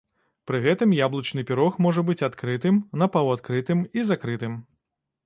Пры гэтым яблычны пірог можа быць адкрытым, напаўадкрытым і закрытым.